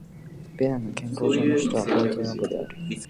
ベナンの憲法上の首都はポルトノボである